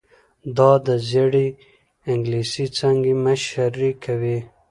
دا د زړې انګلیسي څانګې مشري کوي.